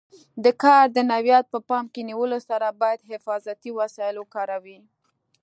د کار د نوعیت په پام کې نیولو سره باید حفاظتي وسایل وکاروي.